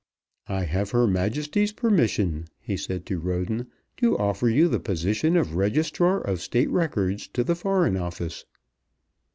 "I have Her Majesty's permission," he said to Roden, "to offer you the position of Registrar of State Records to the Foreign Office."